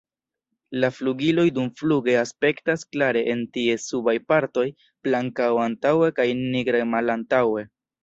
La flugiloj dumfluge aspektas klare en ties subaj partoj blankaj antaŭe kaj nigraj malantaŭe.